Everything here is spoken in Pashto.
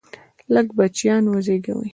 لږ بچیان وزیږوئ!